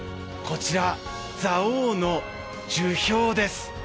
こちら蔵王の樹氷です。